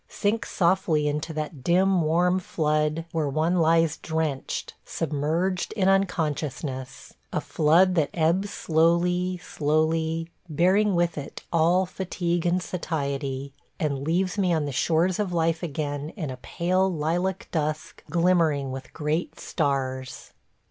. sink softly into that dim warm flood where one lies drenched, submerged in unconsciousness; a flood that ebbs slowly, slowly – bearing with it all fatigue and satiety – and leaves me on the shores of life again in a pale lilac dusk glimmering with great stars.